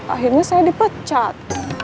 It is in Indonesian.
akhirnya saya dipecat